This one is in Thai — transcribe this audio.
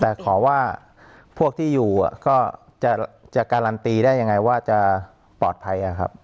แต่ขอว่าพวกที่อยู่ก็จะการันตีได้ยังไงว่าจะปลอดภัย